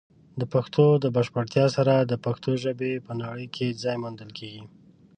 د پښتو د بشپړتیا سره، د پښتو ژبې په نړۍ کې ځای موندل کیږي.